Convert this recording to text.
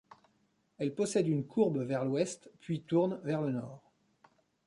Elle possède une courbe vers l'ouest, puis tourne vers le nord.